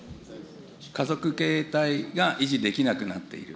家族経営体が維持できなくなっている。